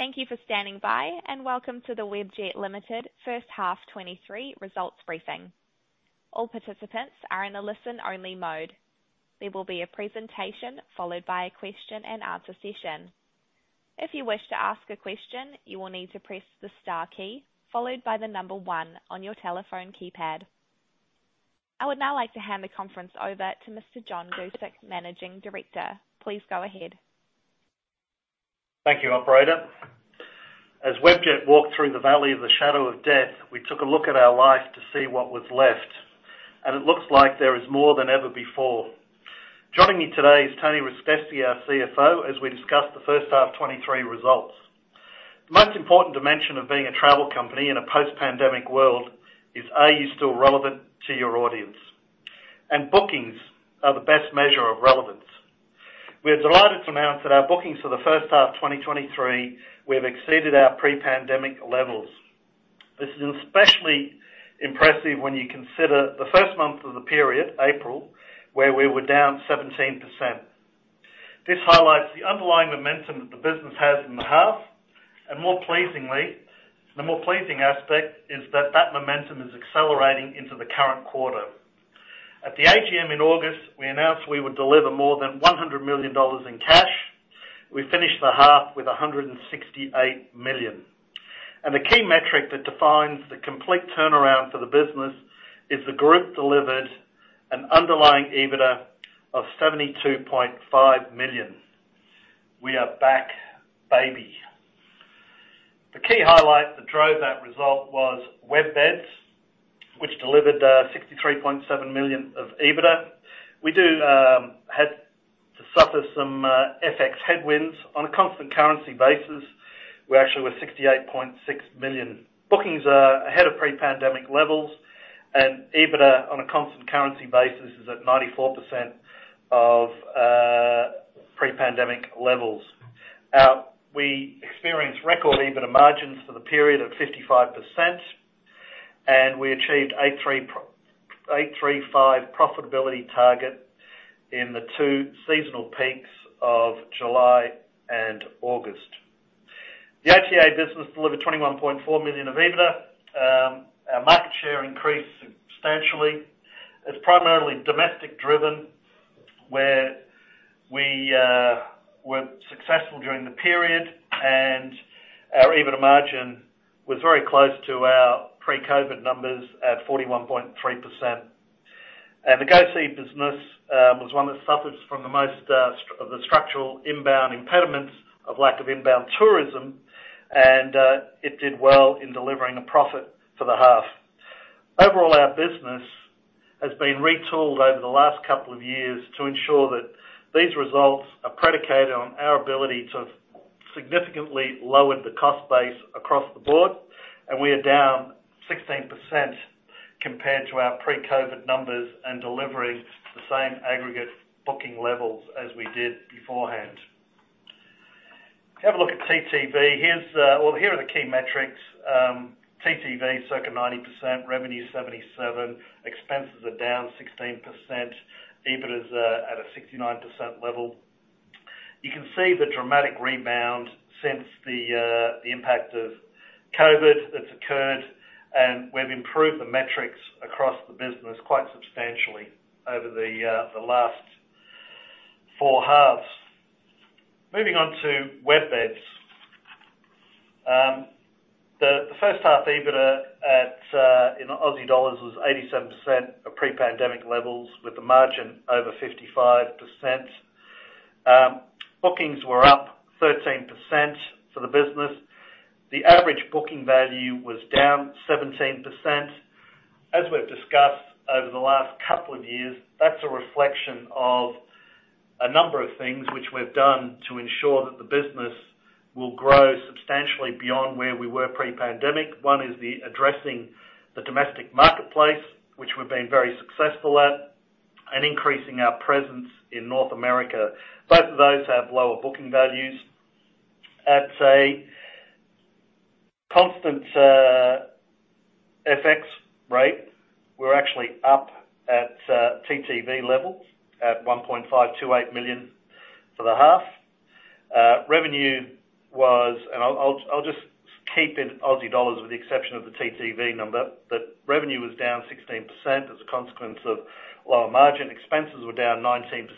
Thank you for standing by, and welcome to the Webjet Limited First Half 2023 Results Briefing. All participants are in a listen-only mode. There will be a presentation followed by a question-and-answer session. If you wish to ask a question, you will need to press the star key followed by the number one on your telephone keypad. I would now like to hand the conference over to Mr. John Guscic, Managing Director. Please go ahead. Thank you, Operator. As Webjet walked through the valley of the shadow of death, we took a look at our life to see what was left, and it looks like there is more than ever before. Joining me today is Tony Ristevski, our CFO, as we discuss the first half 2023 results. The most important dimension of being a travel company in a post-pandemic world is, are you still relevant to your audience. Bookings are the best measure of relevance. We are delighted to announce that our bookings for the first half 2023, we have exceeded our pre-pandemic levels. This is especially impressive when you consider the first month of the period, April, where we were down 17%. This highlights the underlying momentum that the business has in the half. The more pleasing aspect is that that momentum is accelerating into the current quarter. At the AGM in August, we announced we would deliver more than 100 million dollars in cash. We finished the half with 168 million. The key metric that defines the complete turnaround for the business is the group delivered an underlying EBITDA of 72.5 million. We are back, baby. The key highlight that drove that result was WebBeds, which delivered 63.7 million of EBITDA. We had to suffer some FX headwinds. On a constant currency basis, we actually were 68.6 million. Bookings are ahead of pre-pandemic levels, and EBITDA on a constant currency basis is at 94% of pre-pandemic levels. We experienced record EBITDA margins for the period of 55%, and we achieved 8/3/5 profitability target in the two seasonal peaks of July and August. The OTA business delivered 21.4 million of EBITDA. Our market share increased substantially. It's primarily domestic driven, where we were successful during the period, and our EBITDA margin was very close to our pre-COVID numbers at 41.3%. The GoSee business was one that suffers from the most of the structural inbound impediments of lack of inbound tourism, and it did well in delivering a profit for the half. Overall, our business has been retooled over the last couple of years to ensure that these results are predicated on our ability to have significantly lowered the cost base across the board, and we are down 16% compared to our pre-COVID numbers and delivering the same aggregate booking levels as we did beforehand. If you have a look at TTV, well, here are the key metrics. TTV is circa 90%, revenue 77%, expenses are down 16%. EBITDA's at a 69% level. You can see the dramatic rebound since the impact of COVID that's occurred, and we've improved the metrics across the business quite substantially over the last four halves. Moving on to WebBeds. The first half EBITDA in Aussie dollars was 87% of pre-pandemic levels with the margin over 55%. Bookings were up 13% for the business. The average booking value was down 17%. As we've discussed over the last couple of years, that's a reflection of a number of things which we've done to ensure that the business will grow substantially beyond where we were pre-pandemic. One is addressing the domestic marketplace, which we've been very successful at, and increasing our presence in North America. Both of those have lower booking values. At a constant FX rate, we're actually up at TTV levels at 1.528 million for the half. I'll just keep it Aussie dollars with the exception of the TTV number. Revenue was down 16% as a consequence of lower margin. Expenses were down 19%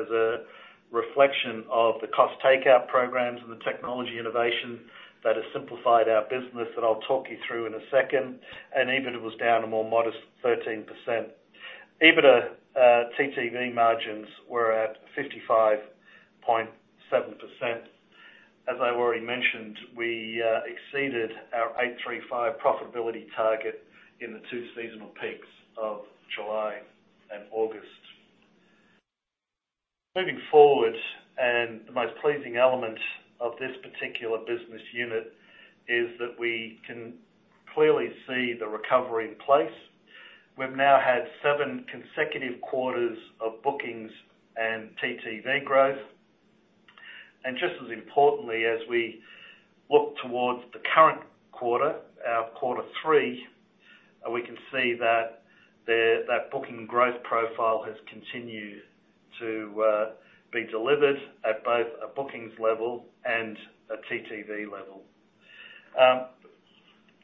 as a reflection of the cost takeout programs and the technology innovation that has simplified our business that I'll talk you through in a second. EBITDA was down a more modest 13%. EBITDA TTV margins were at 55.7%. As I already mentioned, we exceeded our 8/3/5 profitability target in the two seasonal peaks of July and August. Moving forward, the most pleasing element of this particular business unit is that we can clearly see the recovery in place. We've now had seven consecutive quarters of bookings and TTV growth. Just as importantly, as we look towards the current quarter, our quarter three, we can see that booking growth profile has continued to be delivered at both a bookings level and a TTV level.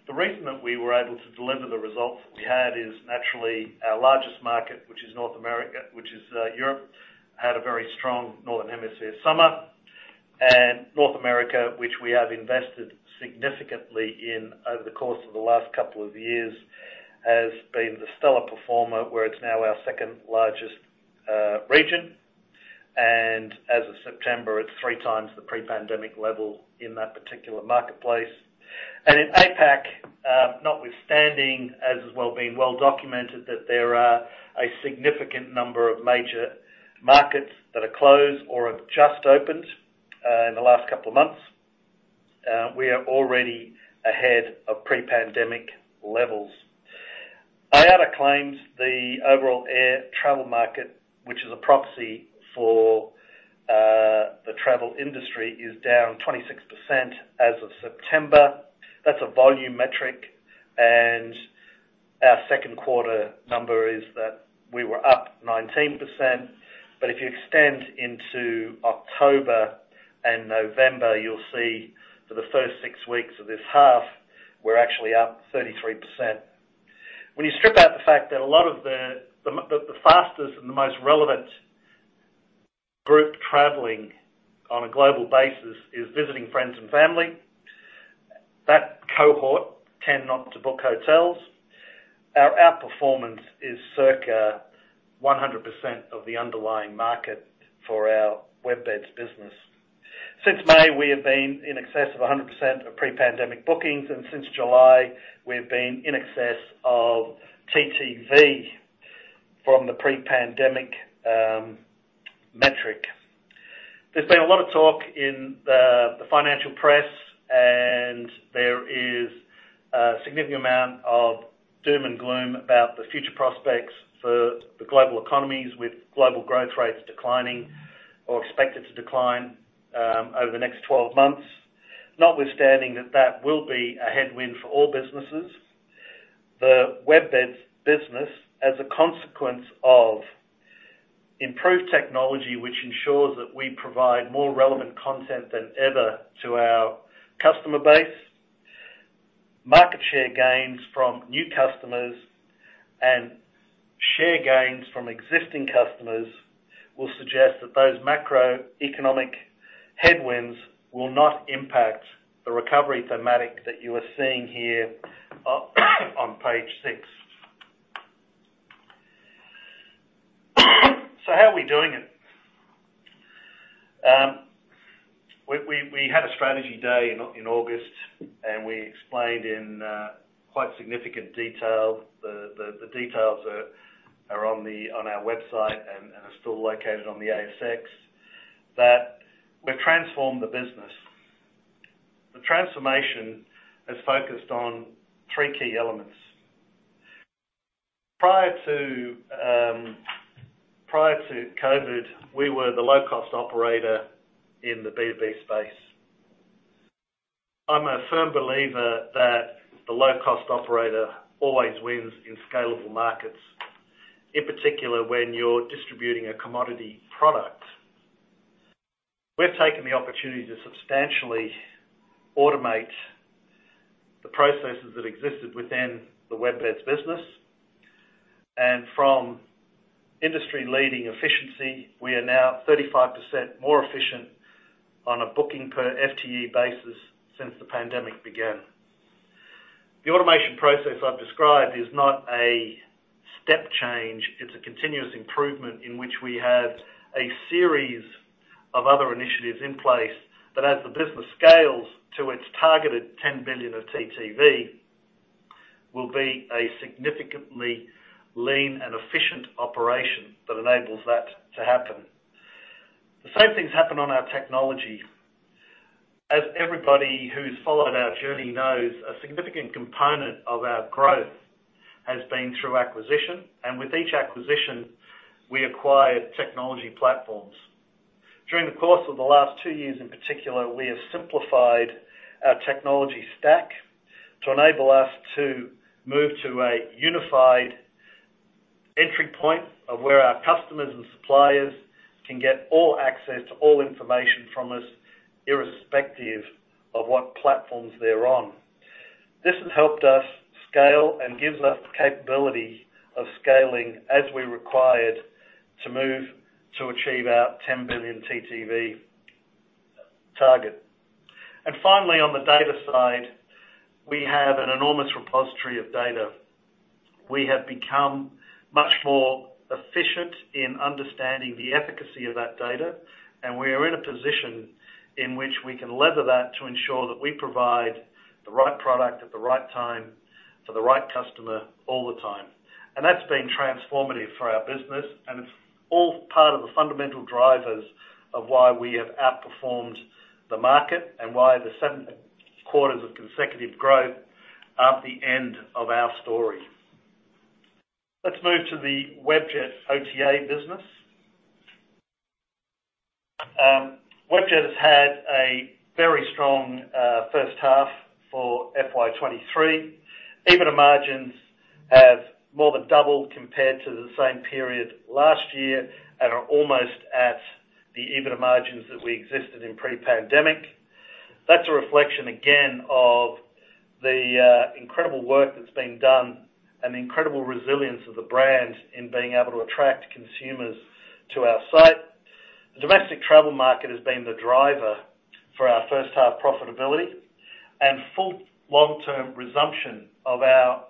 The reason that we were able to deliver the results that we had is naturally our largest market, which is Europe, had a very strong Northern Hemisphere summer. North America, which we have invested significantly in over the course of the last couple of years, has been the stellar performer, where it's now our second-largest region. As of September, it's three times the pre-pandemic level in that particular marketplace. In APAC, notwithstanding, as has been well documented, that there are a significant number of major markets that are closed or have just opened in the last couple of months, we are already ahead of pre-pandemic levels. IATA claims the overall air travel market, which is a proxy for the travel industry, is down 26% as of September. That's a volume metric, and our second quarter number is that we were up 19%. If you extend into October and November, you'll see for the first six weeks of this half, we're actually up 33%. When you strip out the fact that a lot of the fastest and the most relevant group traveling on a global basis is visiting friends and family, that cohort tend not to book hotels. Our outperformance is circa 100% of the underlying market for our WebBeds business. Since May, we have been in excess of 100% of pre-pandemic bookings, and since July, we've been in excess of TTV from the pre-pandemic metric. There's been a lot of talk in the financial press, and there is a significant amount of doom and gloom about the future prospects for the global economies, with global growth rates declining or expected to decline over the next 12 months. Notwithstanding that that will be a headwind for all businesses, the WebBeds business, as a consequence of improved technology, which ensures that we provide more relevant content than ever to our customer base, market share gains from new customers, and share gains from existing customers, will suggest that those macroeconomic headwinds will not impact the recovery thematic that you are seeing here o- on page six. So how are we doing it? Um, we, we had a strategy day in August, and we explained in, uh, quite significant detail. The, the details are on the, on our website and are still located on the ASX, that we've transformed the business. The transformation has focused on three key elements. Prior to, um, prior to COVID, we were the low-cost operator in the B2B space. I'm a firm believer that the low-cost operator always wins in scalable markets, in particular, when you're distributing a commodity product. We've taken the opportunity to substantially automate the processes that existed within the WebBeds business. From industry-leading efficiency, we are now 35% more efficient on a booking per FTE basis since the pandemic began. The automation process I've described is not a step change, it's a continuous improvement in which we have a series of other initiatives in place that as the business scales to its targeted 10 billion of TTV, will be a significantly lean and efficient operation that enables that to happen. The same things happen on our technology. As everybody who's followed our journey knows, a significant component of our growth has been through acquisition, and with each acquisition, we acquire technology platforms. During the course of the last two years in particular, we have simplified our technology stack to enable us to move to a unified entry point of where our customers and suppliers can get all access to all information from us, irrespective of what platforms they're on. This has helped us scale and gives us the capability of scaling as we're required to move to achieve our 10 billion TTV target. Finally, on the data side, we have an enormous repository of data. We have become much more efficient in understanding the efficacy of that data, and we are in a position in which we can lever that to ensure that we provide the right product at the right time to the right customer all the time. That's been transformative for our business, and it's all part of the fundamental drivers of why we have outperformed the market and why the seven quarters of consecutive growth aren't the end of our story. Let's move to the Webjet OTA business. Webjet has had a very strong first half for FY 2023. EBITDA margins have more than doubled compared to the same period last year and are almost at the EBITDA margins that we existed in pre-pandemic. That's a reflection again of the incredible work that's been done and the incredible resilience of the brand in being able to attract consumers to our site. The domestic travel market has been the driver for our first half profitability, and full long-term resumption of our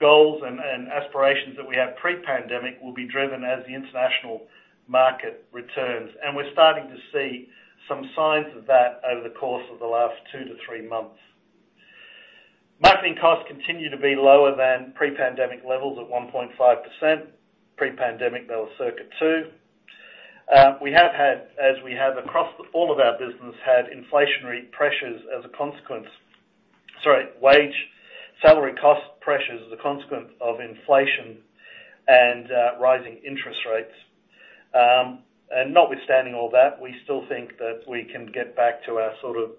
goals and aspirations that we had pre-pandemic will be driven as the international market returns. We're starting to see some signs of that over the course of the last two to three months. Marketing costs continue to be lower than pre-pandemic levels at 1.5%. Pre-pandemic, they were circa 2%. We have had, as we have across all of our business, wage, salary, cost pressures as a consequence of inflation and rising interest rates. Notwithstanding all that, we still think that we can get back to our sort of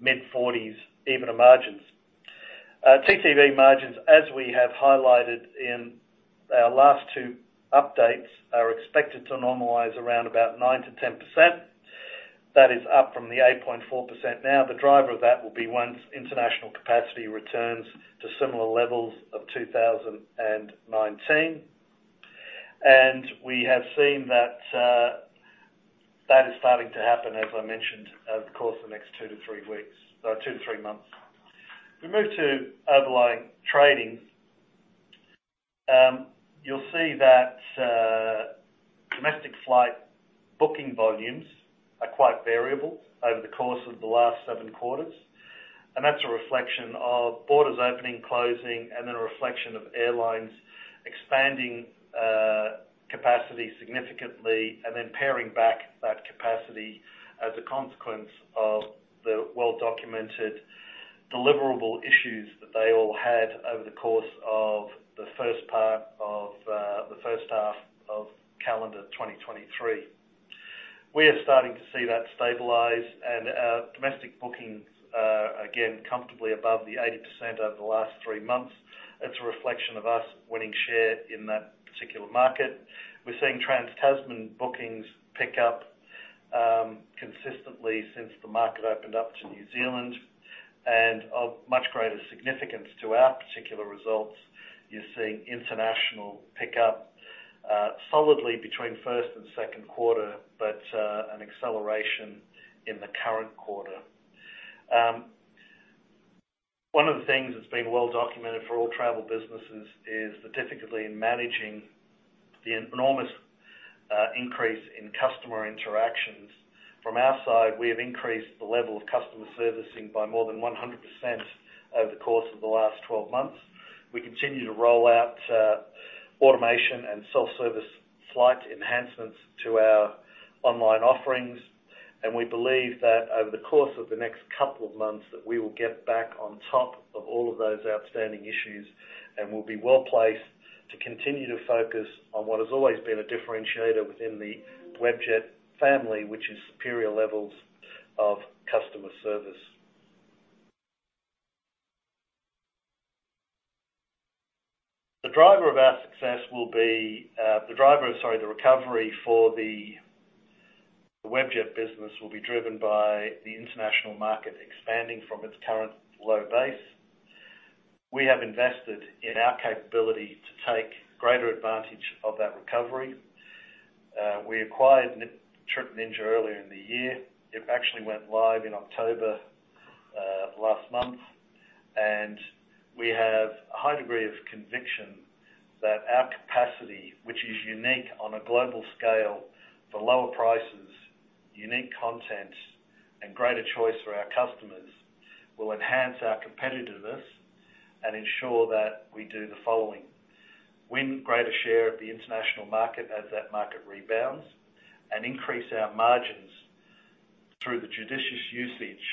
mid-40s EBITDA margins. TTV margins, as we have highlighted in our last two updates, are expected to normalize around about 9%-10%. That is up from the 8.4%. Now, the driver of that will be once international capacity returns to similar levels of 2019. We have seen that is starting to happen, as I mentioned, over the course of the next two to three months. If we move to underlying trading, you'll see that domestic flight booking volumes are quite variable over the course of the last seven quarters. That's a reflection of borders opening, closing, and then a reflection of airlines expanding capacity significantly and then paring back that capacity as a consequence of the well-documented delivery issues that they all had over the course of the first half of calendar 2023. We are starting to see that stabilize and our domestic bookings, again, comfortably above the 80% over the last three months. It's a reflection of us winning share in that particular market. We're seeing Trans-Tasman bookings pick up consistently since the market opened up to New Zealand. Of much greater significance to our particular results, you're seeing international pick up solidly between first and second quarter, but an acceleration in the current quarter. One of the things that's been well documented for all travel businesses is the difficulty in managing the enormous increase in customer interactions. From our side, we have increased the level of customer servicing by more than 100% over the course of the last 12 months. We continue to roll out automation and self-service flight enhancements to our online offerings. We believe that over the course of the next couple of months, that we will get back on top of all of those outstanding issues and we'll be well-placed to continue to focus on what has always been a differentiator within the Webjet family, which is superior levels of customer service. The recovery for the Webjet business will be driven by the international market expanding from its current low base. We have invested in our capability to take greater advantage of that recovery. We acquired Trip Ninja earlier in the year. It actually went live in October, last month. We have a high degree of conviction that our capacity, which is unique on a global scale for lower prices, unique content, and greater choice for our customers, will enhance our competitiveness and ensure that we do the following, win greater share of the international market as that market rebounds, and increase our margins through the judicious usage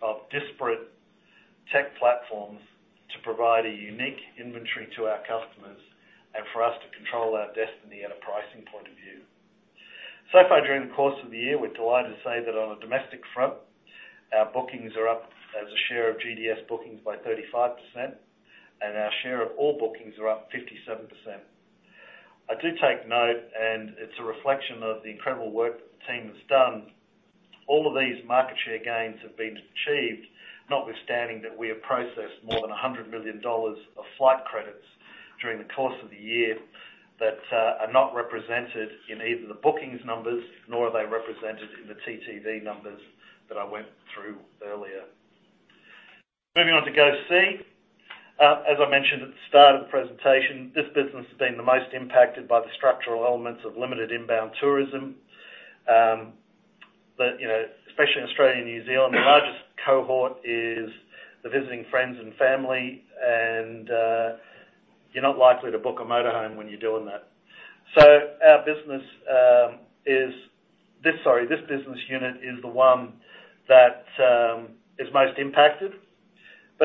of disparate tech platforms to provide a unique inventory to our customers and for us to control our destiny at a pricing point of view. So far during the course of the year, we're delighted to say that on a domestic front, our bookings are up as a share of GDS bookings by 35%, and our share of all bookings are up 57%. I do take note, and it's a reflection of the incredible work the team has done. All of these market share gains have been achieved notwithstanding that we have processed more than 100 million dollars of flight credits during the course of the year that are not represented in either the bookings numbers, nor are they represented in the TTV numbers that I went through earlier. Moving on to GoSee. As I mentioned at the start of the presentation, this business has been the most impacted by the structural elements of limited inbound tourism. You know, especially in Australia and New Zealand, the largest cohort is the visiting friends and family, and you're not likely to book a motorhome when you're doing that. This business unit is the one that is most impacted.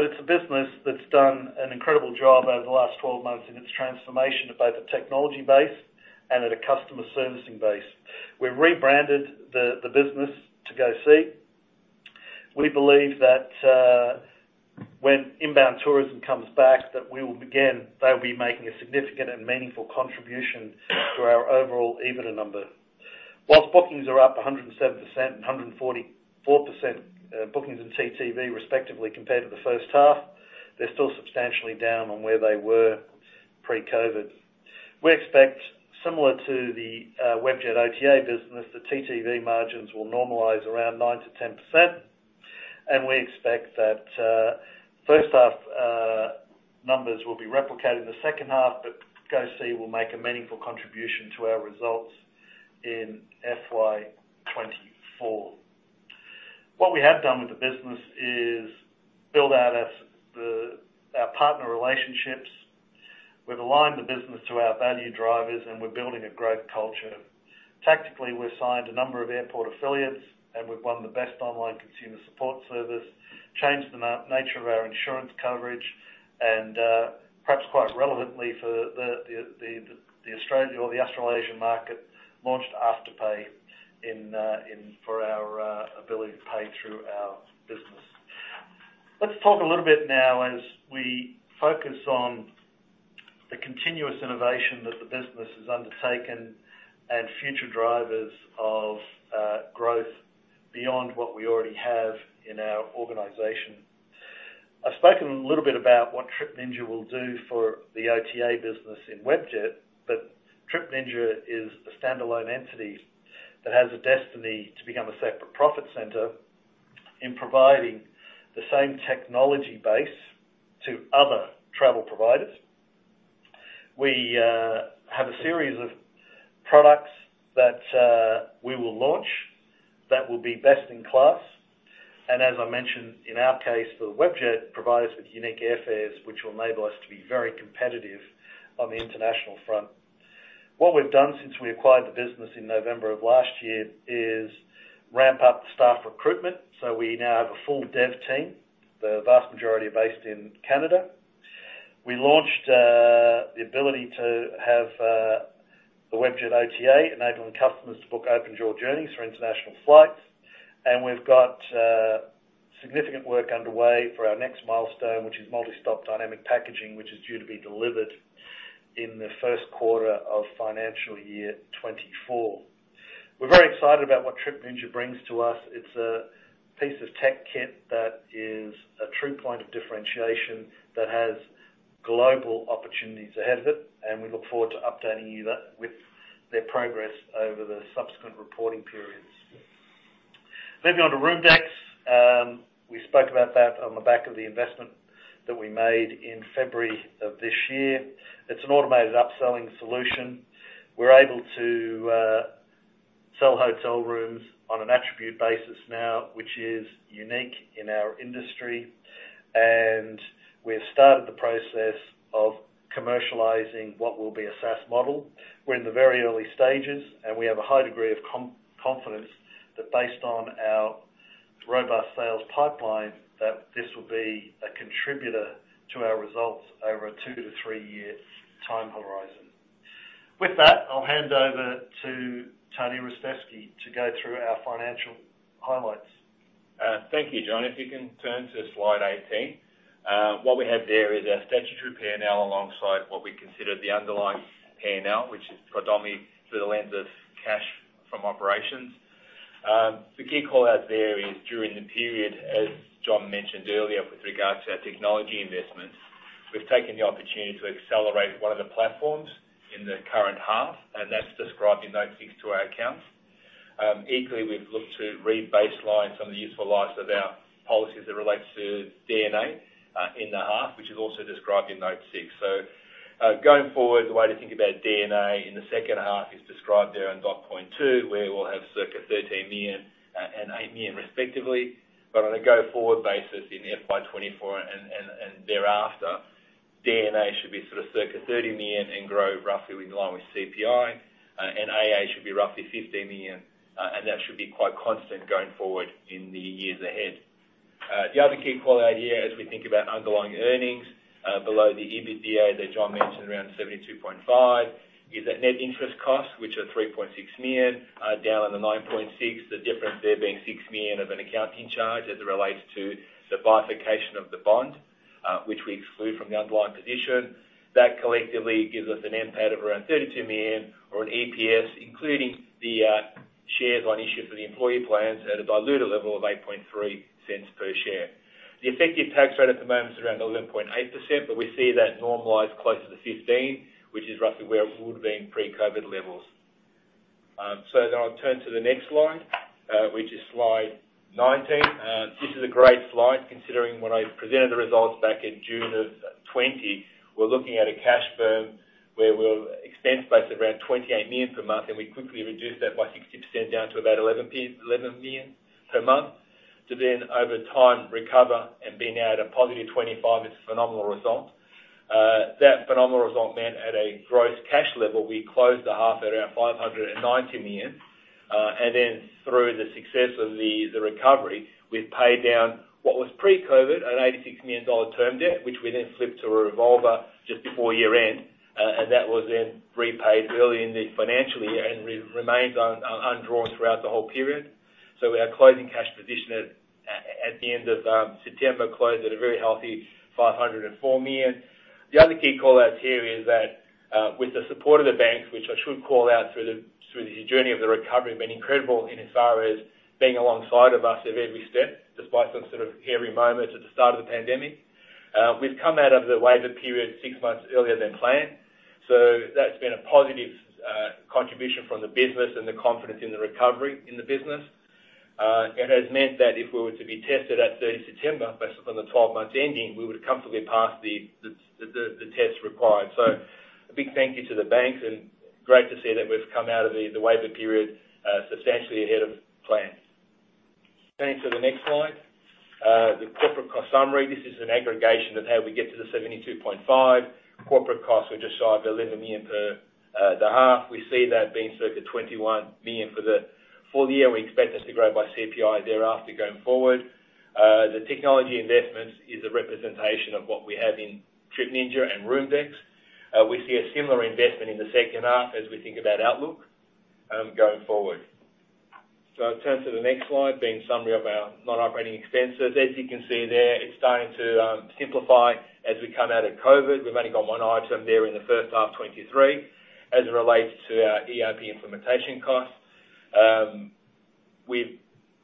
It's a business that's done an incredible job over the last 12 months in its transformation to both a technology base and at a customer servicing base. We've rebranded the business to GoSee. We believe that when inbound tourism comes back, they'll be making a significant and meaningful contribution to our overall EBITDA number. Whilst bookings are up 107% and 144% bookings in TTV respectively compared to the first half, they're still substantially down on where they were pre-COVID. We expect similar to the Webjet OTA business, the TTV margins will normalize around 9%-10%, and we expect that first half numbers will be replicated in the second half, but GoSee will make a meaningful contribution to our results in FY 2024. What we have done with the business is build out our partner relationships. We've aligned the business to our value drivers, and we're building a great culture. Tactically, we've signed a number of airport affiliates, and we've won the best online consumer support service, changed the nature of our insurance coverage, and perhaps quite relevantly for the Australian or the Australasian market, launched Afterpay for our ability to pay through our business. Let's talk a little bit now as we focus on the continuous innovation that the business has undertaken and future drivers of growth beyond what we already have in our organization. I've spoken a little bit about what Trip Ninja will do for the OTA business in Webjet. Trip Ninja is a standalone entity that has a destiny to become a separate profit center in providing the same technology base to other travel providers. We have a series of products that we will launch that will be best in class. As I mentioned, in our case, for Webjet provide us with unique airfares, which will enable us to be very competitive on the international front. What we've done since we acquired the business in November of last year is ramp up the staff recruitment, so we now have a full dev team. The vast majority are based in Canada. We launched the ability to have the Webjet OTA enabling customers to book open-jaw journeys for international flights. We've got significant work underway for our next milestone, which is multi-stop dynamic packaging, which is due to be delivered in the first quarter of financial year 2024. We're very excited about what Trip Ninja brings to us. It's a piece of tech kit that is a true point of differentiation that has global opportunities ahead of it, and we look forward to updating you with their progress over the subsequent reporting periods. Moving on to ROOMDEX. We spoke about that on the back of the investment that we made in February of this year. It's an automated upselling solution. We're able to sell hotel rooms on an attribute basis now, which is unique in our industry. We have started the process of commercializing what will be a SaaS model. We're in the very early stages, and we have a high degree of confidence that based on our robust sales pipeline, that this will be a contributor to our results over a two to three year time horizon. With that, I'll hand over to Tony Ristevski to go through our financial highlights. Thank you, John. If you can turn to slide 18. What we have there is our statutory P&L alongside what we consider the underlying P&L, which is predominantly through the lens of cash from operations. The key call-out there is during the period, as John mentioned earlier with regards to our technology investments, we've taken the opportunity to accelerate one of the platforms in the current half, and that's described in note six to our accounts. Equally, we've looked to re-baseline some of the useful lives of our policies that relates to D&A in the half, which is also described in note six. Going forward, the way to think about D&A in the second half is described there in dot point two, where we'll have circa 13 million and 8 million respectively. On a go-forward basis in FY 2024 and thereafter, D&A should be sort of circa 30 million and grow roughly in line with CPI. NAI should be roughly 15 million, and that should be quite constant going forward in the years ahead. The other key call-out here as we think about underlying earnings below the EBITDA that John mentioned, around 72.5 million, is that net interest costs, which are 3.6 million, down on the 9.6 million, the difference there being 6 million of an accounting charge as it relates to the bifurcation of the bond, which we exclude from the underlying position. That collectively gives us an NPAT of around 32 million or an EPS, including the shares on issue for the employee plans at a diluted level of 0.083 per share. The effective tax rate at the moment is around 11.8%, but we see that normalize closer to 15%, which is roughly where it would have been pre-COVID levels. I'll turn to the next slide, which is slide 19. This is a great slide considering when I presented the results back in June of 2020. We're looking at a cash burn where we'll expense base around 28 million per month, and we quickly reduced that by 60% down to about 11 million per month. Over time, recover and being out at a +25 million is a phenomenal result. That phenomenal result meant at a gross cash level, we closed the half at around 590 million. Through the success of the recovery, we've paid down what was pre-COVID an 86 million dollar term debt, which we then flipped to a revolver just before year-end. That was then repaid early in the financial year and remained undrawn throughout the whole period. Our closing cash position at the end of September closed at a very healthy 504 million. The other key call-outs here is that, with the support of the bank, which I should call out through the journey of the recovery, have been incredible in as far as being alongside of us at every step, despite some sort of hairy moments at the start of the pandemic. We've come out of the waiver period six months earlier than planned, so that's been a positive contribution from the business and the confidence in the recovery in the business. It has meant that if we were to be tested at 30 September based upon the 12 months ending, we would have comfortably passed the test required. A big thank you to the banks and great to see that we've come out of the waiver period substantially ahead of plan. Turning to the next slide, the corporate cost summary. This is an aggregation of how we get to the 72.5 million. Corporate costs were just shy of 11 million per the half. We see that being circa 21 million for the full year. We expect this to grow by CPI thereafter going forward. The technology investments is a representation of what we have in Trip Ninja and ROOMDEX. We see a similar investment in the second half as we think about outlook going forward. Turn to the next slide, being summary of our non-operating expenses. As you can see there, it's starting to simplify as we come out of COVID. We've only got one item there in the first half 2023 as it relates to our ERP implementation costs. We've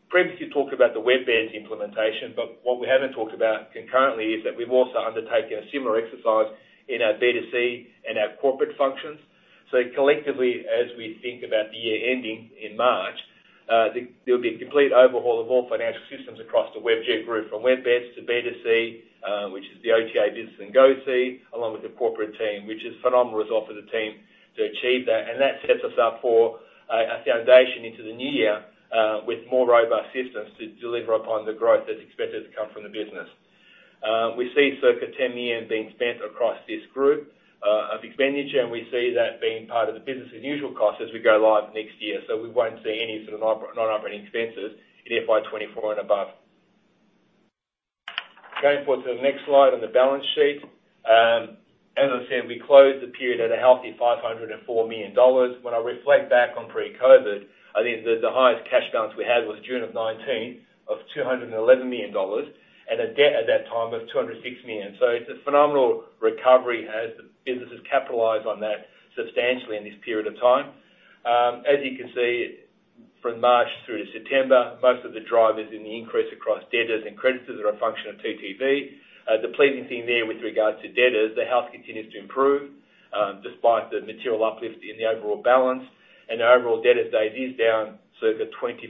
previously talked about the WebBeds implementation, but what we haven't talked about concurrently is that we've also undertaken a similar exercise in our B2C and our corporate functions. Collectively, as we think about the year ending in March, there'll be a complete overhaul of all financial systems across the Webjet Group from WebBeds to B2C, which is the OTA business in GoSee, along with the corporate team, which is phenomenal result for the team to achieve that. That sets us up for a foundation into the new year with more robust systems to deliver upon the growth that's expected to come from the business. We see circa 10 million being spent across this group of expenditure, and we see that being part of the business as usual cost as we go live next year. We won't see any sort of non-operating expenses in FY 2024 and above. Going forward to the next slide on the balance sheet. As I said, we closed the period at a healthy 504 million dollars. When I reflect back on pre-COVID, I think the highest cash balance we had was June of 2019 of 211 million dollars and a debt at that time of 206 million. It's a phenomenal recovery as the business has capitalized on that substantially in this period of time. As you can see, from March through to September, most of the drivers in the increase across debtors and creditors are a function of TTV. The pleasing thing there with regards to debtors, the health continues to improve despite the material uplift in the overall balance. Our overall debtors days is down circa 25%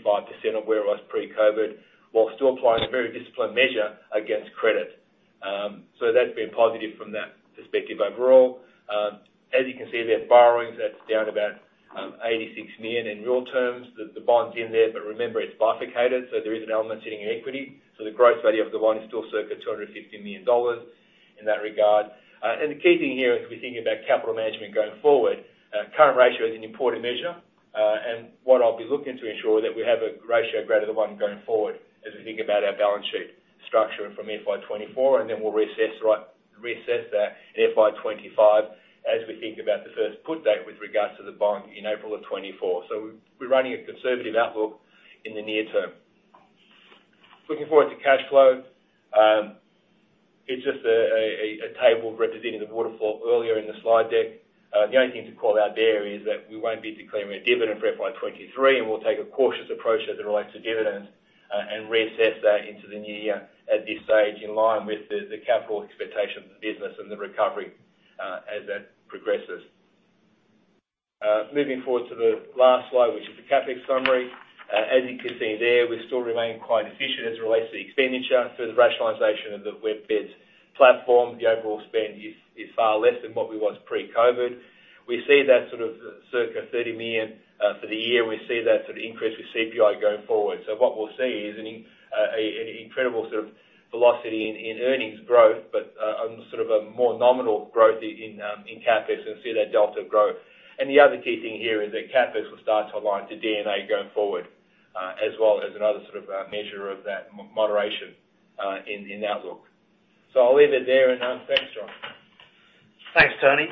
of where it was pre-COVID, while still applying a very disciplined measure against credit. That's been positive from that perspective overall. As you can see there, borrowings, that's down about 86 million in real terms. The bond's in there, but remember, it's bifurcated, so there is an element sitting in equity. The gross value of the bond is still circa 250 million dollars in that regard. The key thing here as we think about capital management going forward, current ratio is an important measure, and what I'll be looking to ensure that we have a ratio greater than one going forward as we think about our balance sheet structure from FY 2024, and then we'll reassess that in FY 2025 as we think about the first put date with regards to the bond in April of 2024. We're running a conservative outlook in the near term. Looking forward to cash flow. It's just a table representing the waterfall earlier in the slide deck. The only thing to call out there is that we won't be declaring a dividend for FY 2023, and we'll take a cautious approach as it relates to dividends and reassess that into the new year at this stage, in line with the capital expectations of the business and the recovery as that progresses. Moving forward to the last slide, which is the CapEx summary. As you can see there, we still remain quite efficient as it relates to the expenditure through the rationalization of the WebBeds platform. The overall spend is far less than what we was pre-COVID. We see that sort of circa 30 million for the year. We see that sort of increase with CPI going forward. What we'll see is an incredible sort of velocity in earnings growth, but sort of a more nominal growth in CapEx and see that delta grow. The other key thing here is that CapEx will start to align to D&A going forward, as well as another sort of measure of that moderation in outlook. I'll leave it there. Thanks, John. Thanks, Tony.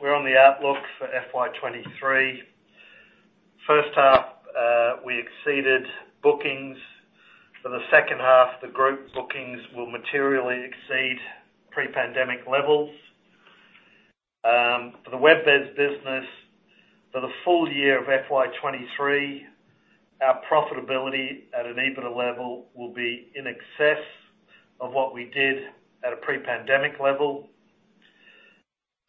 We're on the outlook for FY 2023. First half, we exceeded bookings. For the second half, the group bookings will materially exceed pre-pandemic levels. For the WebBeds business, for the full year of FY 2023, our profitability at an EBITDA level will be in excess of what we did at a pre-pandemic level.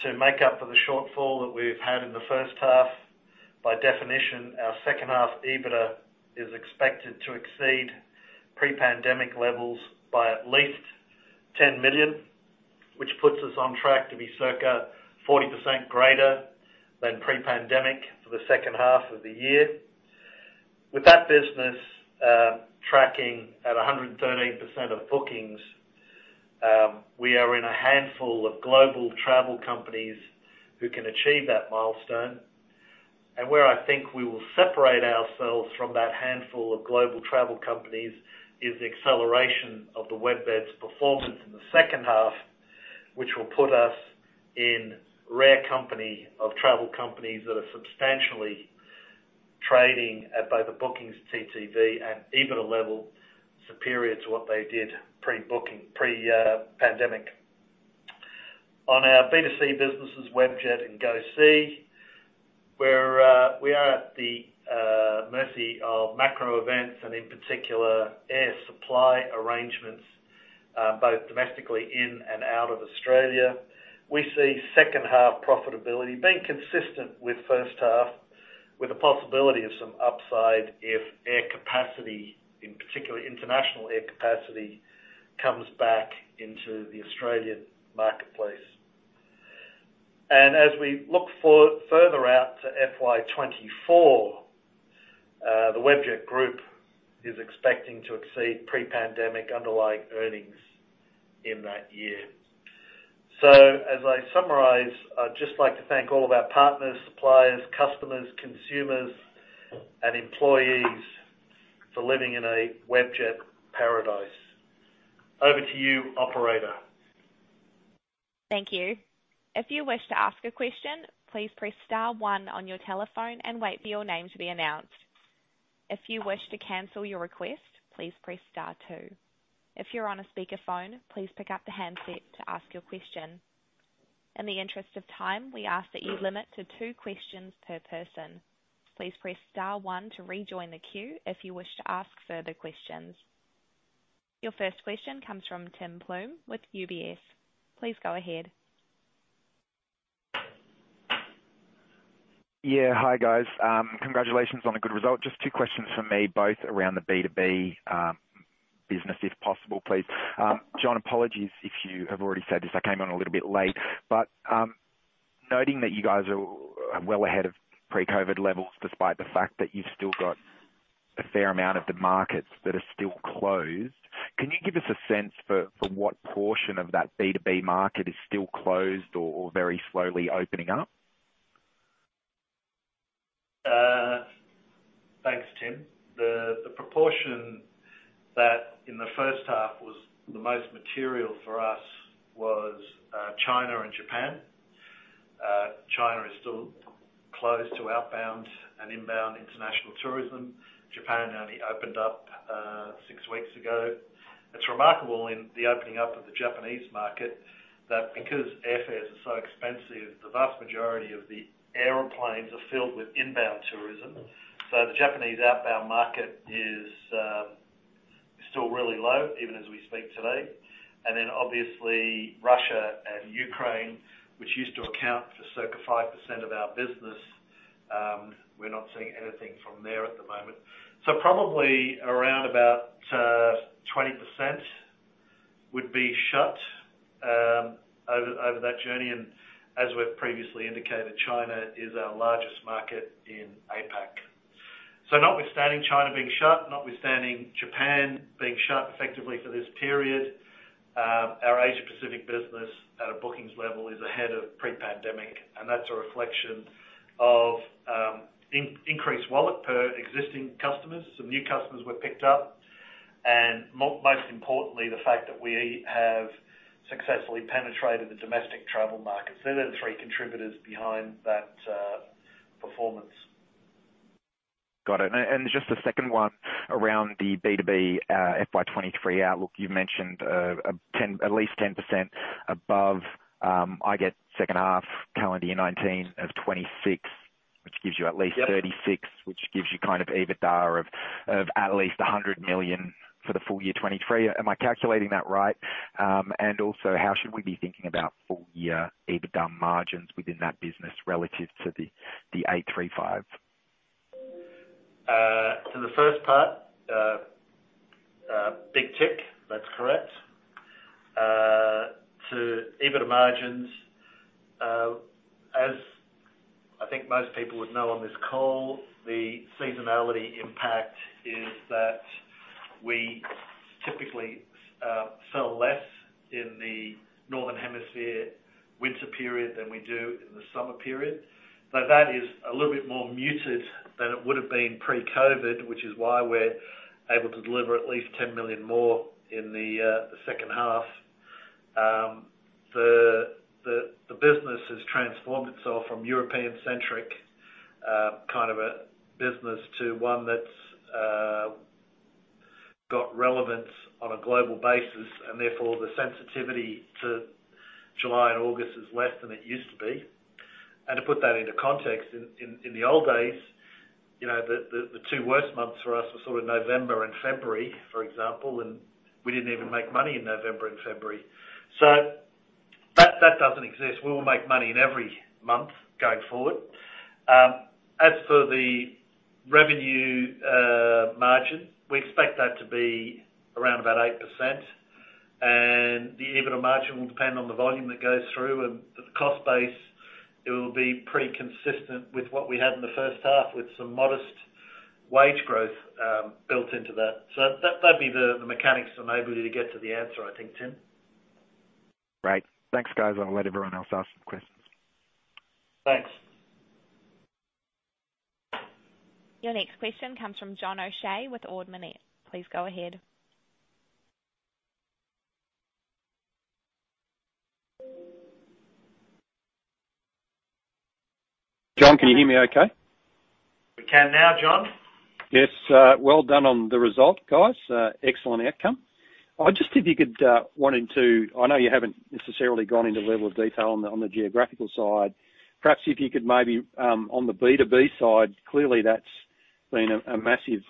To make up for the shortfall that we've had in the first half, by definition, our second half EBITDA is expected to exceed pre-pandemic levels by at least 10 million, which puts us on track to be circa 40% greater than pre-pandemic for the second half of the year. With that business tracking at 113% of bookings, we are in a handful of global travel companies who can achieve that milestone. Where I think we will separate ourselves from that handful of global travel companies is the acceleration of the WebBeds performance in the second half, which will put us in rare company of travel companies that are substantially trading at both the bookings TTV and EBITDA level superior to what they did pre-pandemic. On our B2C businesses, Webjet and GoSee, we are at the mercy of macro events and in particular air supply arrangements both domestically in and out of Australia. We see second half profitability being consistent with first half, with the possibility of some upside if air capacity, in particular international air capacity, comes back into the Australian marketplace. As we look further out to FY 2024, the Webjet Group is expecting to exceed pre-pandemic underlying earnings in that year. As I summarize, I'd just like to thank all of our partners, suppliers, customers, consumers, and employees for living in a Webjet paradise. Over to you, Operator. Thank you. If you wish to ask a question, please press star one on your telephone and wait for your name to be announced. If you wish to cancel your request, please press star two. If you're on a speakerphone, please pick up the handset to ask your question. In the interest of time, we ask that you limit to two questions per person. Please press star one to rejoin the queue if you wish to ask further questions. Your first question comes from Tim Plumbe with UBS. Please go ahead. Yeah. Hi, guys. Congratulations on a good result. Just two questions from me, both around the B2B business, if possible, please. John, apologies if you have already said this. I came on a little bit late. Noting that you guys are well ahead of pre-COVID levels, despite the fact that you've still got a fair amount of the markets that are still closed, can you give us a sense for what portion of that B2B market is still closed or very slowly opening up? Thanks, Tim. The proportion that in the first half was the most material for us was China and Japan. China is still closed to outbound and inbound international tourism. Japan only opened up six weeks ago. It's remarkable in the opening up of the Japanese market that because airfares are so expensive, the vast majority of the airplanes are filled with inbound tourism. The Japanese outbound market is still really low, even as we speak today. Obviously Russia and Ukraine, which used to account for circa 5% of our business, we're not seeing anything from there at the moment. Probably around about 20% would be shut over that journey. As we've previously indicated, China is our largest market in APAC. Notwithstanding China being shut, notwithstanding Japan being shut effectively for this period, our Asia-Pacific business at a bookings level is ahead of pre-pandemic, and that's a reflection of increased wallet per existing customers. Some new customers were picked up, and most importantly, the fact that we have successfully penetrated the domestic travel markets. They're the three contributors behind that performance. Got it. Just the second one around the B2B FY 2023 outlook. You've mentioned at least 10% above, I get second half calendar year 2019 of 26%, which gives you at least. Yep. 36%, which gives you kind of EBITDA of at least 100 million for the full year 2023. Am I calculating that right? Also how should we be thinking about full year EBITDA margins within that business relative to the 8/3/5? To the first part, big tick. That's correct. To EBITDA margins, as I think most people would know on this call, the seasonality impact is that we typically sell less in the Northern Hemisphere winter period than we do in the summer period. That is a little bit more muted than it would've been pre-COVID, which is why we're able to deliver at least 10 million more in the second half. The business has transformed itself from European-centric kind of a business to one that's got relevance on a global basis, and therefore the sensitivity to July and August is less than it used to be. To put that into context, in the old days, you know, the two worst months for us were sort of November and February, for example, and we didn't even make money in November and February. That doesn't exist. We will make money in every month going forward. As for the revenue margin, we expect that to be around about 8%. The EBITDA margin will depend on the volume that goes through and the cost base. It will be pretty consistent with what we had in the first half, with some modest wage growth built into that. That'd be the mechanics to enable you to get to the answer, I think, Tim. Right. Thanks, guys. I'll let everyone else ask some questions. Thanks. Your next question comes from John O'Shea with Ord Minnett. Please go ahead. John, can you hear me okay? We can now, John. Yes. Well done on the result, guys. Excellent outcome. I know you haven't necessarily gone into level of detail on the geographical side. Perhaps if you could maybe on the B2B side, clearly that's been a massive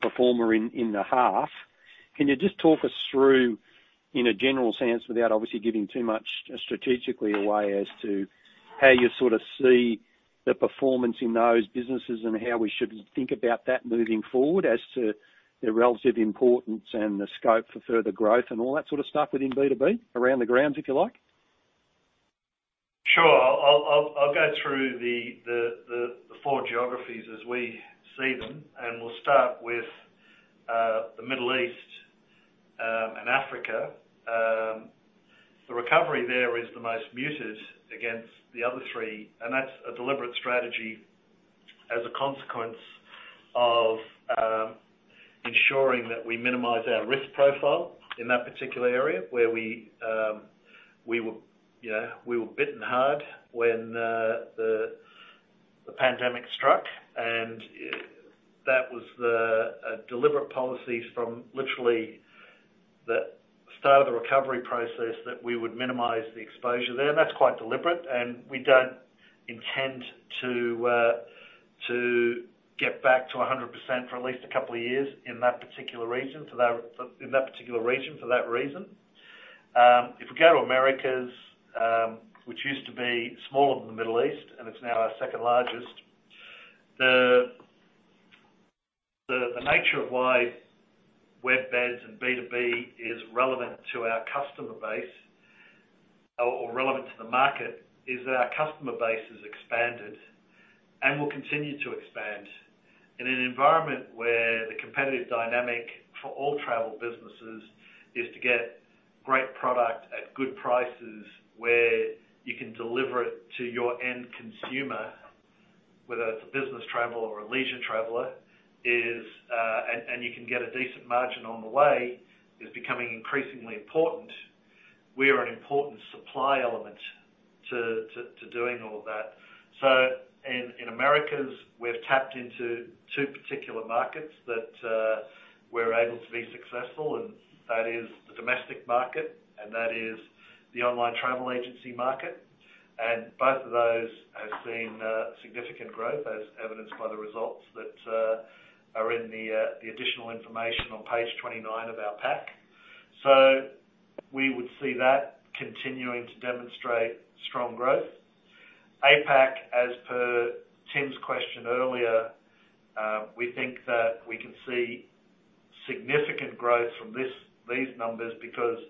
performer in the half. Can you just talk us through in a general sense, without obviously giving too much strategically away as to how you sort of see the performance in those businesses and how we should think about that moving forward as to the relative importance and the scope for further growth and all that sort of stuff within B2B around the grounds, if you like? Sure. I'll go through the four geographies as we see them, and we'll start with the Middle East and Africa. The recovery there is the most muted against the other three, and that's a deliberate strategy as a consequence of ensuring that we minimize our risk profile in that particular area where we were, you know, bitten hard when the pandemic struck. That was the deliberate policies from literally the start of the recovery process that we would minimize the exposure there. That's quite deliberate, and we don't intend to get back to 100% for at least a couple of years in that particular region for that reason. If we go to Americas, which used to be smaller than the Middle East and it's now our second largest, the nature of why WebBeds and B2B is relevant to our customer base or relevant to the market is that our customer base has expanded and will continue to expand. In an environment where the competitive dynamic for all travel businesses is to get great product at good prices, where you can deliver it to your end consumer, whether it's a business traveler or a leisure traveler, and you can get a decent margin on the way, is becoming increasingly important. We are an important supply element to doing all of that. In Americas, we've tapped into two particular markets that we're able to be successful, and that is the domestic market and that is the online travel agency market. Both of those have seen significant growth as evidenced by the results that are in the additional information on page 29 of our pack. We would see that continuing to demonstrate strong growth. APAC, as per Tim's question earlier, we think that we can see significant growth from these numbers because,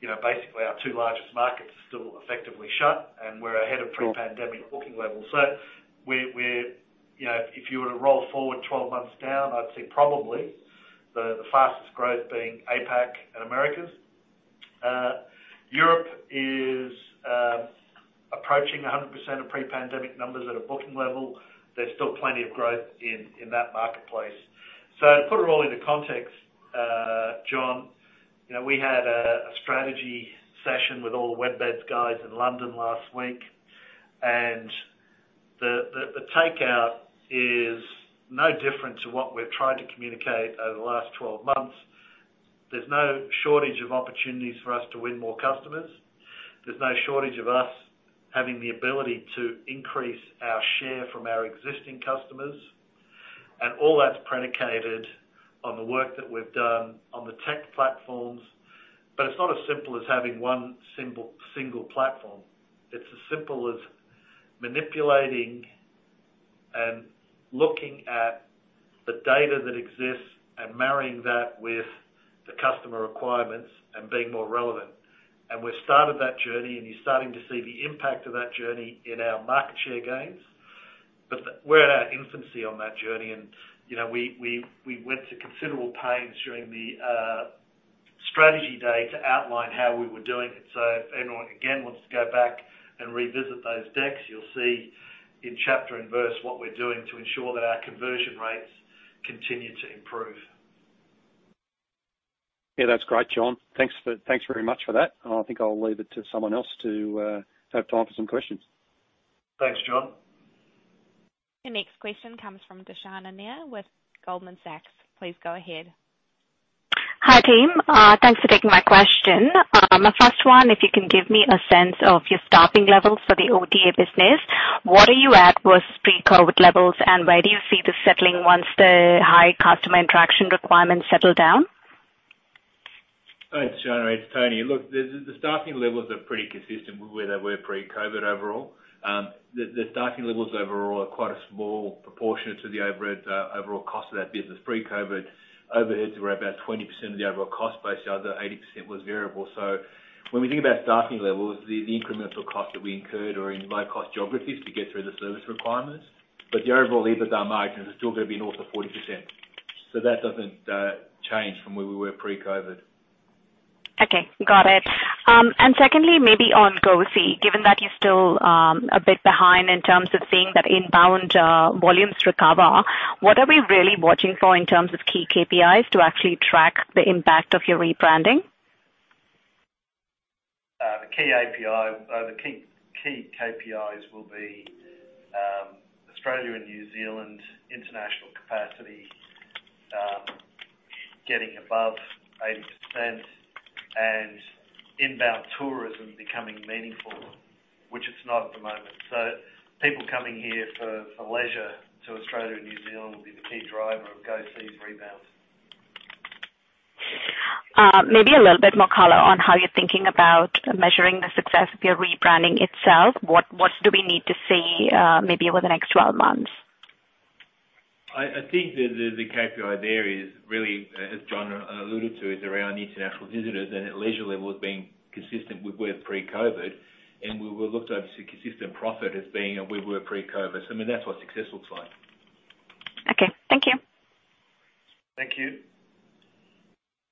you know, basically our two largest markets are still effectively shut and we're ahead of pre-pandemic booking levels. You know, if you were to roll forward 12 months down, I'd see probably the fastest growth being APAC and Americas. Europe is approaching 100% of pre-pandemic numbers at a booking level. There's still plenty of growth in that marketplace. To put it all into context, John, you know, we had a strategy session with all the WebBeds guys in London last week, and the takeout is no different to what we've tried to communicate over the last 12 months. There's no shortage of opportunities for us to win more customers. There's no shortage of us having the ability to increase our share from our existing customers. All that's predicated on the work that we've done on the tech platforms. It's not as simple as having one simple, single platform. It's as simple as manipulating and looking at the data that exists and marrying that with the customer requirements and being more relevant. We've started that journey, and you're starting to see the impact of that journey in our market share gains. We're at our infancy on that journey. You know, we went to considerable pains during the strategy day to outline how we were doing it. If anyone again wants to go back and revisit those decks, you'll see in chapter and verse what we're doing to ensure that our conversion rates continue to improve. Yeah, that's great, John. Thanks very much for that. I think I'll leave it to someone else to have time for some questions. Thanks, John. The next question comes from Darshana Nair with Goldman Sachs. Please go ahead. Hi, team. Thanks for taking my question. My first one, if you can give me a sense of your staffing levels for the OTA business, what are you at post pre-COVID levels, and where do you see this settling once the high customer interaction requirements settle down? Thanks, Darshana. It's Tony. Look, the staffing levels are pretty consistent with where they were pre-COVID overall. The staffing levels overall are quite a small proportion to the overall cost of that business. Pre-COVID overheads were about 20% of the overall cost base. The other 80% was variable. When we think about staffing levels, the incremental cost that we incurred are in low-cost geographies to get through the service requirements. The overall EBITDA margins are still gonna be north of 40%. That doesn't change from where we were pre-COVID. Okay, got it. Secondly, maybe on GoSee, given that you're still a bit behind in terms of seeing that inbound volumes recover, what are we really watching for in terms of key KPIs to actually track the impact of your rebranding? The key KPIs will be Australia and New Zealand international capacity getting above 80% and inbound tourism becoming meaningful, which it's not at the moment. People coming here for leisure to Australia and New Zealand will be the key driver of GoSee's rebounds. Maybe a little bit more color on how you're thinking about measuring the success of your rebranding itself. What do we need to see maybe over the next 12 months? I think the KPI there is really, as John alluded to, is around international visitors and at leisure levels being consistent with where pre-COVID. We will look to obviously consistent profit as being where we were pre-COVID. I mean, that's what success looks like. Okay. Thank you. Thank you.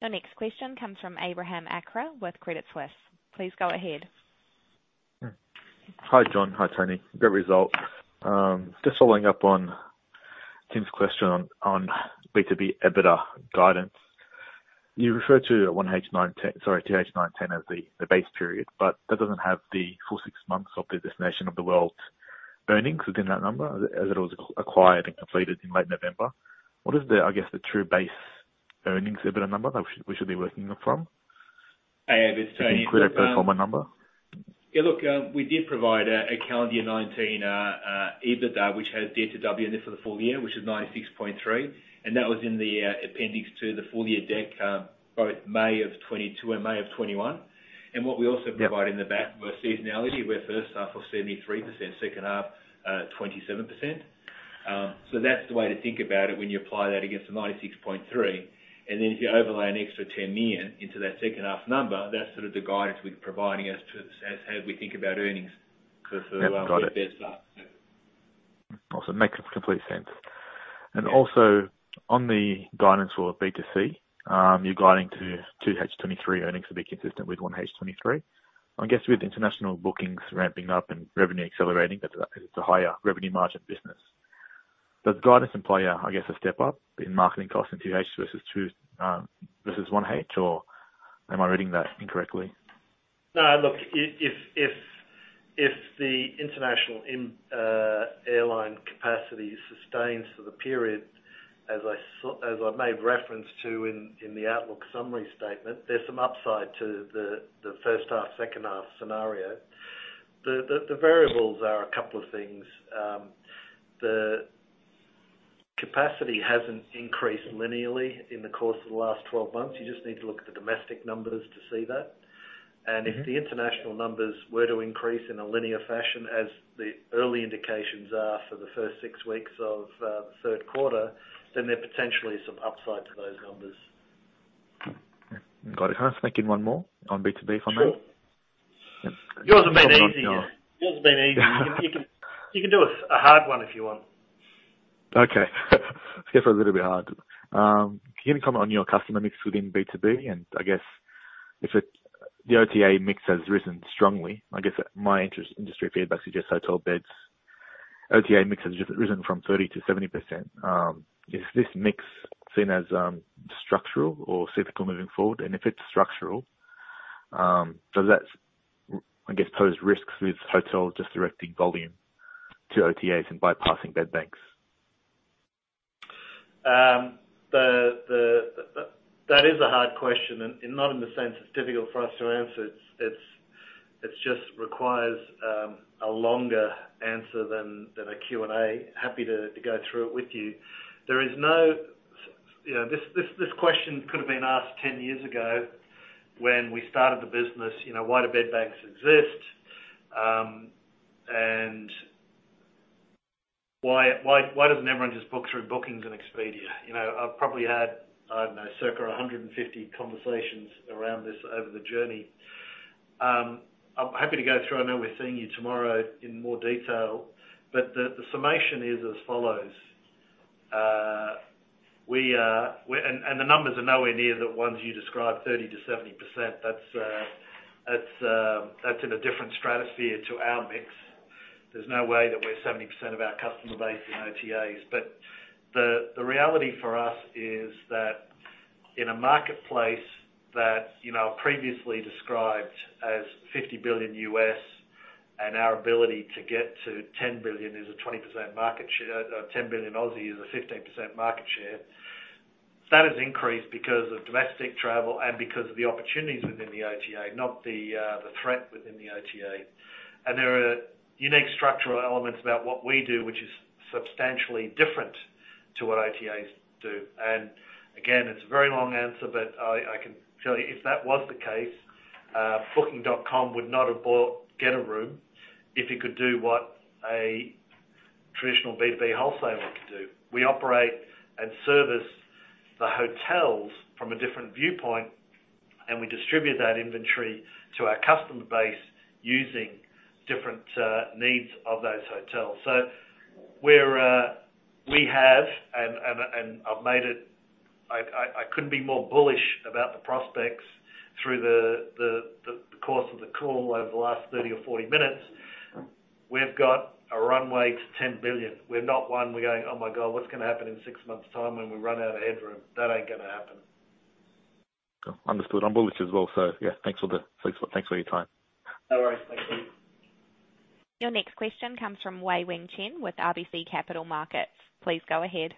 Your next question comes from Abraham Akra with Credit Suisse. Please go ahead. Hi, John. Hi, Tony. Great result. Just following up on Tim's question on B2B EBITDA guidance. You referred to 2H 2019 as the base period, but that doesn't have the full six months of the Destinations of the World earnings within that number as it was acquired and completed in late November. What is, I guess, the true base earnings EBITDA number that we should be working from? Hey, Ab. Can you include that pro forma number? Yeah. Look, we did provide a calendar year 2019 EBITDA, which has DOTW in it for the full year, which is 96.3 million. That was in the appendix to the full year deck, both May of 2022 and May of 2021. What we also provide. Yep. In the back was seasonality, where first half was 73%, second half 27%. That's the way to think about it when you apply that against the 96.3 million. If you overlay an extra 10 million into that second half number, that's sort of the guidance we're providing as we think about earnings. Yep, got it. The best half. Awesome. Makes complete sense. Yeah. Also on the guidance for B2C, you're guiding to 2H 2023 earnings to be consistent with 1H 2023. I guess with international bookings ramping up and revenue accelerating, it's a higher revenue margin business. Does guidance imply, I guess, a step up in marketing costs in 2H versus 1H? Am I reading that incorrectly? No. Look, if the international airline capacity sustains for the period, as I made reference to in the outlook summary statement, there's some upside to the first half/second half scenario. The variables are a couple of things. The capacity hasn't increased linearly in the course of the last 12 months. You just need to look at the domestic numbers to see that. Mm-hmm. If the international numbers were to increase in a linear fashion as the early indications are for the first six weeks of the third quarter, then there's potentially some upside to those numbers. Got it. Can I sneak in one more on B2B for me? Sure. Yep. Yours have been easy. You can do a hard one if you want. Okay. Let's go for a little bit hard. Can you comment on your customer mix within B2B? I guess if the OTA mix has risen strongly, I guess my industry feedback suggests Hotelbeds OTA mix has just risen from 30%-70%. Is this mix seen as structural or cyclical moving forward? If it's structural, does that, I guess, pose risks with hotels just directing volume to OTAs and bypassing bedbanks? That is a hard question, and not in the sense it's difficult for us to answer. It just requires a longer answer than a Q&A. Happy to go through it with you. You know, this question could have been asked 10 years ago when we started the business. You know, why do bed banks exist? Why doesn't everyone just book through Booking and Expedia? You know, I've probably had, I don't know, circa 150 conversations around this over the journey. I'm happy to go through. I know we're seeing you tomorrow in more detail. The summation is as follows. The numbers are nowhere near the ones you described, 30%-70%. That's, uh, that's, um, that's in a different stratosphere to our mix. There's no way that we're 70% of our customer base in OTAs. But the reality for us is that in a marketplace that, you know, previously described as $50 billion and our ability to get to 10 billion is a 20% market share-- uh, 10 billion is a 15% market share. That has increased because of domestic travel and because of the opportunities within the OTA, not the, uh, the threat within the OTA. And there are unique structural elements about what we do, which is substantially different to what OTAs do. And again, it's a very long answer, but I can tell you if that was the case, uh, Booking.com would not have bought Getaroom if it could do what a traditional B2B wholesaler can do. We operate and service the hotels from a different viewpoint, and we distribute that inventory to our customer base using different needs of those hotels. I couldn't be more bullish about the prospects through the course of the call over the last 30 or 40 minutes. We've got a runway to 10 billion. We're not one, we're going, "Oh my God, what's gonna happen in six months' time when we run out of headroom?" That ain't gonna happen. Understood. I'm bullish as well. Yeah, thanks for your time. No worries. Thanks, Ab. Your next question comes from Wei-Weng Chen with RBC Capital Markets. Please go ahead.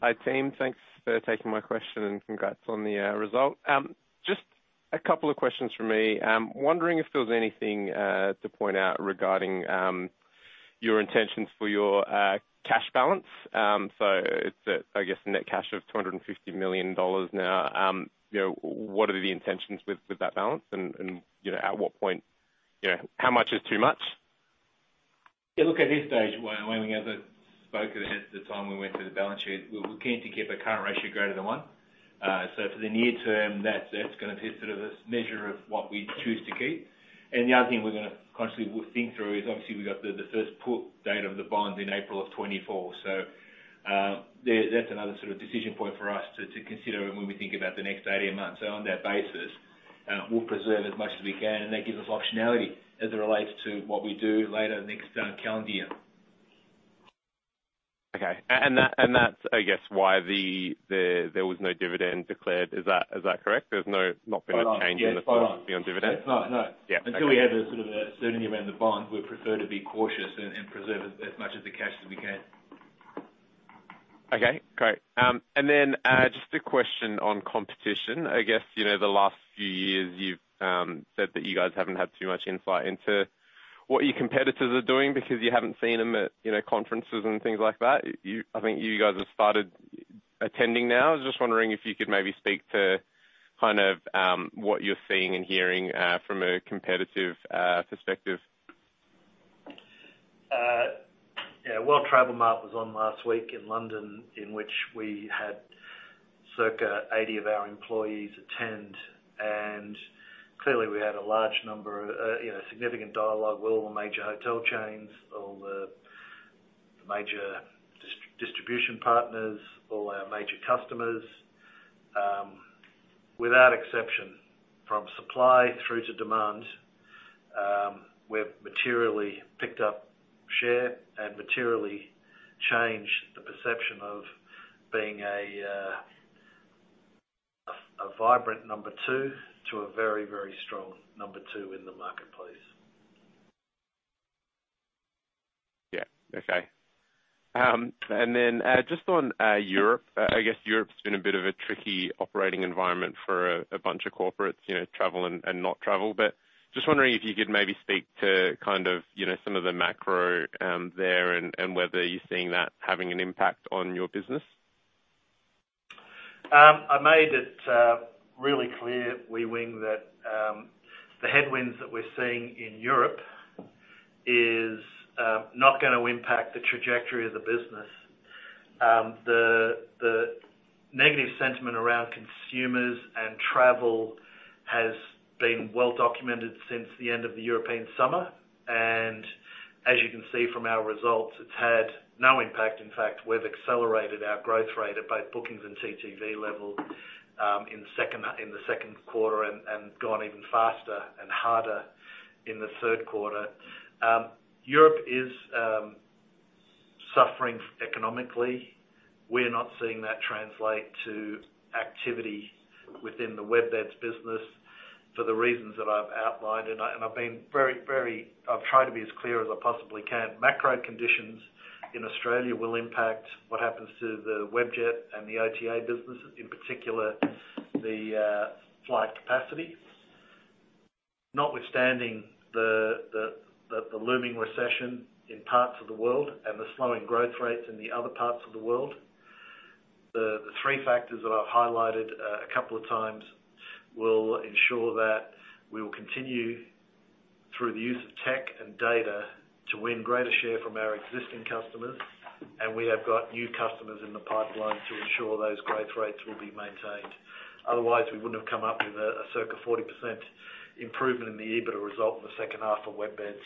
Hi, team. Thanks for taking my question, and congrats on the result. Just a couple of questions from me. Wondering if there was anything to point out regarding your intentions for your cash balance. It's, I guess, a net cash of 250 million dollars now. You know, what are the intentions with that balance? You know, at what point, you know, how much is too much? Yeah, look, at this stage, Wei-Weng, as I spoke at the time when we went through the balance sheet, we're keen to keep a current ratio greater than one. For the near term, that's gonna be sort of a measure of what we choose to keep. The other thing we're gonna constantly think through is, obviously, we've got the first put date of the bond in April of 2024. That's another sort of decision point for us to consider when we think about the next 18 months. On that basis, we'll preserve as much as we can, and that gives us optionality as it relates to what we do later next calendar year. Okay. That's I guess why there was no dividend declared, is that correct? There's not been a change. Hold on. Yeah, hold on. In the sort of beyond dividend. No, no. Yeah, okay. Until we have a sort of a certainty around the bond, we prefer to be cautious and preserve as much of the cash as we can. Okay, great. Just a question on competition. I guess, you know, the last few years you've said that you guys haven't had too much insight into what your competitors are doing because you haven't seen them at, you know, conferences and things like that. I think you guys have started attending now. I was just wondering if you could maybe speak to kind of what you're seeing and hearing from a competitive perspective. Yeah. World Travel Market was on last week in London, in which we had circa 80 of our employees attend. Clearly, we had, you know, significant dialogue with all the major hotel chains, all the major distribution partners, all our major customers. Without exception, from supply through to demand, we've materially picked up share and materially changed the perception of being a vibrant number two to a very, very strong number two in the marketplace. Yeah. Okay. Just on Europe, I guess Europe's been a bit of a tricky operating environment for a bunch of corporates, you know, travel and not travel. Just wondering if you could maybe speak to kind of, you know, some of the macro there and whether you're seeing that having an impact on your business. I made it really clear, Wei-Weng, that the headwinds that we're seeing in Europe is not gonna impact the trajectory of the business. The negative sentiment around consumers and travel has been well documented since the end of the European summer, and as you can see from our results, it's had no impact. In fact, we've accelerated our growth rate at both bookings and TTV level in the second quarter and gone even faster and harder in the third quarter. Europe is suffering economically. We're not seeing that translate to activity within the WebBeds business for the reasons that I've outlined. I've tried to be as clear as I possibly can. Macro conditions in Australia will impact what happens to the Webjet and the OTA businesses, in particular, the flight capacity. Notwithstanding the looming recession in parts of the world and the slowing growth rates in the other parts of the world, the three factors that I've highlighted a couple of times will ensure that we will continue through the use of tech and data to win greater share from our existing customers, and we have got new customers in the pipeline to ensure those growth rates will be maintained. Otherwise, we wouldn't have come up with a circa 40% improvement in the EBITDA result in the second half for WebBeds.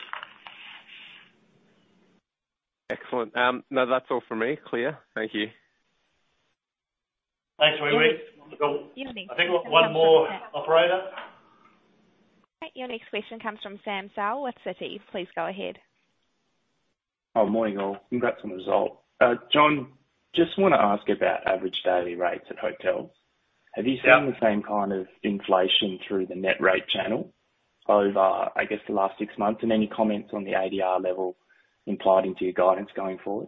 Excellent. No, that's all from me. Clear. Thank you. Thanks, Wei-Weng. Your next. I think one more, Operator. Your next question comes from Sam Seow with Citi. Please go ahead. Oh, morning all. Congrats on the result. John, just wanna ask about average daily rates at hotels. Yeah. Have you seen the same kind of inflation through the net rate channel over, I guess, the last six months? Any comments on the ADR level implied into your guidance going forward?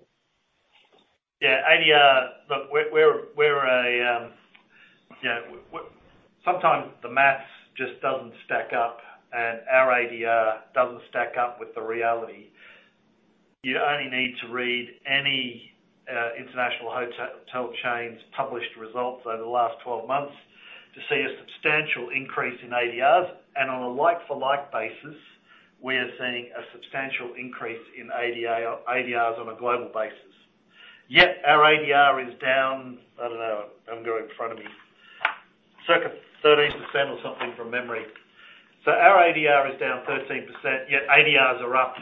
Yeah. ADR, look, you know, sometimes the math just doesn't stack up, and our ADR doesn't stack up with the reality. You only need to read any international hotel chains' published results over the last 12 months to see a substantial increase in ADRs. On a like-for-like basis, we are seeing a substantial increase in ADRs on a global basis. Yet our ADR is down, I don't know, I don't have it in front of me, circa 13% or something from memory. Our ADR is down 13%, yet ADRs are up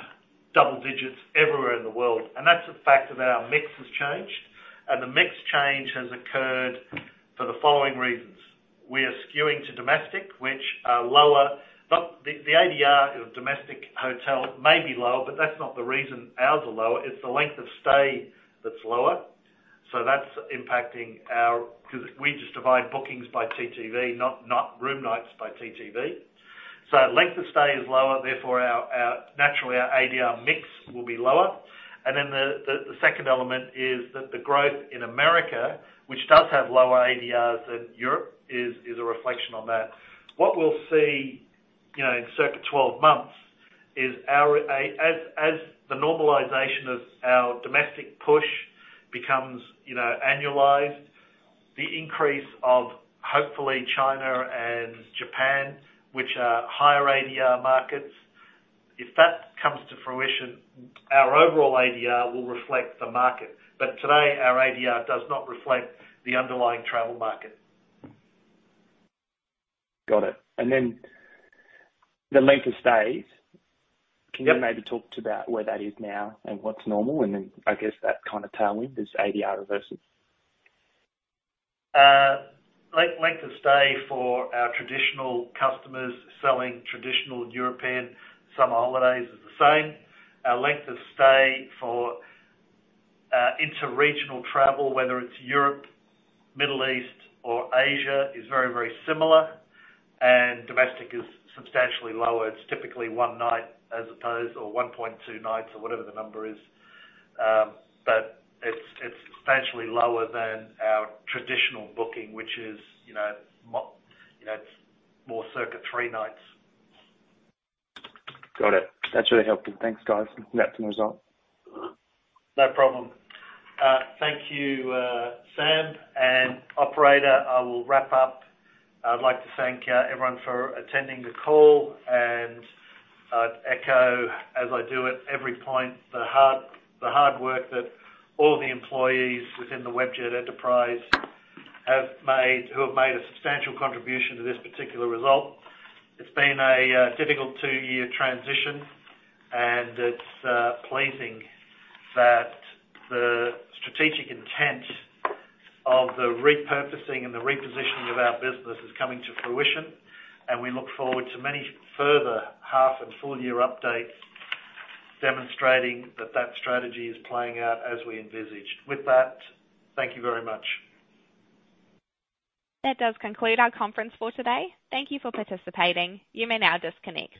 double-digits everywhere in the world. That's the fact that our mix has changed, and the mix change has occurred for the following reasons. We are skewing to domestic, which are lower. The ADR of domestic hotel may be lower, but that's not the reason ours are lower. It's the length of stay that's lower. 'Cause we just divide bookings by TTV, not room nights by TTV. Length of stay is lower, therefore naturally our ADR mix will be lower. The second element is that the growth in America, which does have lower ADRs than Europe, is a reflection on that. What we'll see, you know, in circa 12 months is as the normalization of our domestic push becomes, you know, annualized, the increase of hopefully China and Japan, which are higher ADR markets, if that comes to fruition, our overall ADR will reflect the market. Today, our ADR does not reflect the underlying travel market. Got it. The length of stays. Yep. Can you maybe talk to that, where that is now and what's normal? I guess that kind of tailwind is ADR reversal. Length of stay for our traditional customers selling traditional European summer holidays is the same. Our length of stay for interregional travel, whether it is Europe, Middle East or Asia, is very similar, and domestic is substantially lower. It is typically one night or 1.2 nights or whatever the number is. It is substantially lower than our traditional booking, which is, you know, it is more circa three nights. Got it. That's really helpful. Thanks, guys. Looking at some results. No problem. Thank you, Sam and Operator. I will wrap up. I'd like to thank everyone for attending the call and echo as I do at every point the hard work that all the employees within the Webjet enterprise who have made a substantial contribution to this particular result. It's been a difficult two-year transition, and it's pleasing that the strategic intent of the repurposing and the repositioning of our business is coming to fruition. We look forward to many further half and full-year updates demonstrating that that strategy is playing out as we envisaged. With that, thank you very much. That does conclude our conference for today. Thank you for participating. You may now disconnect.